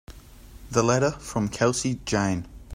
The letter from Kelsey Jane.